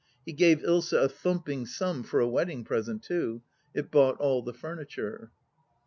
He gave Ilsa a thumping sum for a wedding present, too ; it bought all the furniture.